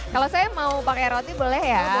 kalau saya mau pakai roti boleh ya